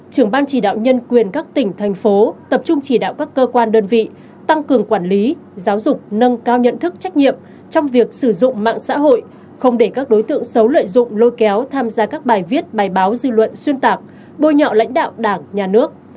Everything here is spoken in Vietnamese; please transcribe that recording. trưởng ban chỉ đạo nhân quyền các tỉnh thành phố tập trung chỉ đạo các cơ quan đơn vị tăng cường quản lý giáo dục nâng cao nhận thức trách nhiệm trong việc sử dụng mạng xã hội không để các đối tượng xấu lợi dụng lôi kéo tham gia các bài viết bài báo dư luận xuyên tạc bôi nhọ lãnh đạo đảng nhà nước